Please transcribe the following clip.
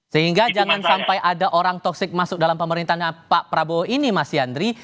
sehingga jangan sampai ada orang toxic masuk dalam pemerintahnya pak prabowo ini mas yandri